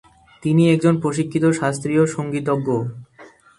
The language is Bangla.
তিনি একজন প্রশিক্ষিত শাস্ত্রীয় সঙ্গীতজ্ঞ।